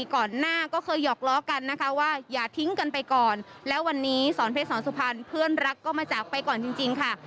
ก่อนหน้าก็เคยหอกล้อกันนะคะว่าอย่าทิ้งกันไปก่อนแล้ววันนี้สอนเพชรสอนสุพรรณเพื่อนรักก็มาจากไปก่อนจริงค่ะ